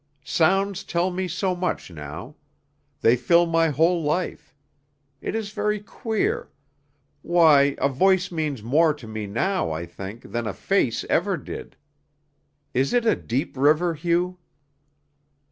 Sounds tell me so much now. They fill my whole life. It is very queer. Why, a voice means more to me now, I think, than a face ever did.... Is it a deep river, Hugh?"